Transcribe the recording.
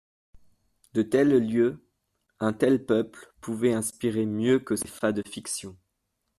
De tels lieux, un tel peuple, pouvaient inspirer mieux que ces fades fictions.